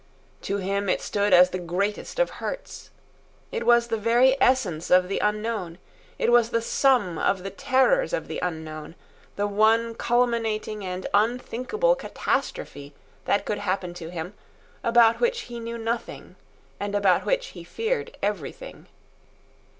To him it stood as the greatest of hurts. It was the very essence of the unknown; it was the sum of the terrors of the unknown, the one culminating and unthinkable catastrophe that could happen to him, about which he knew nothing and about which he feared everything.